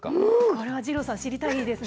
これは二郎さん知りたいです